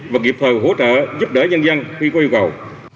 và kịp thời hỗ trợ giúp đỡ nhân dân khi có yêu cầu